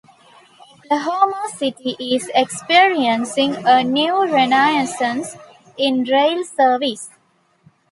Oklahoma City is experiencing a new renaissance in rail service.